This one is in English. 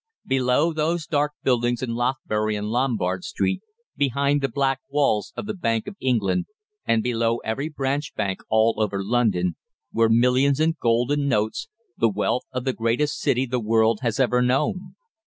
Below those dark buildings in Lothbury and Lombard Street, behind the black walls of the Bank of England, and below every branch bank all over London, were millions in gold and notes, the wealth of the greatest city the world has ever known.